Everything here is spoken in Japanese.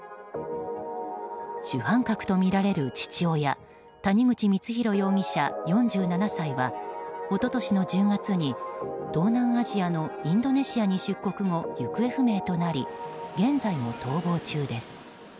主犯格とみられる父親谷口光弘容疑者、４７歳は一昨年の１０月に東南アジアのインドネシアに出国後行方不明となり現在も逃亡中です。